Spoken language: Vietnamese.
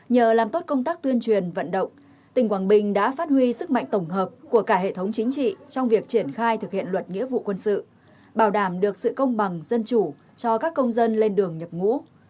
nhờ làm tốt công tác tuyên truyền vận động tỉnh quảng bình đã phát huy sức mạnh tổng hợp của cả hệ thống chính trị trong việc triển khai thực hiện luật nghĩa vụ quân sự bảo đảm được sự công bằng dân chủ cho các công dân lên đường nhập ngũ